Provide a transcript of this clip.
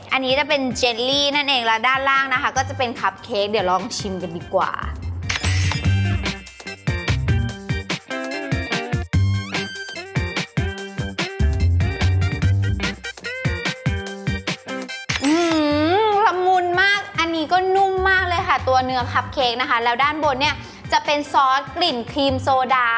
อันนี้จะเป็นเจลลี่นั่นเองแล้วด้านล่างนะคะก็จะเป็นคับเค้กเดี๋ยวลองชิมกันดีกว่า